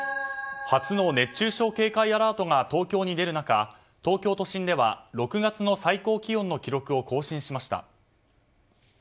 初の熱中症警戒アラートが東京に出る中東京都心では６月の最高気温の記録を更新しました。